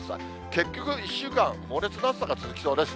結局１週間、猛烈な暑さが続きそうです。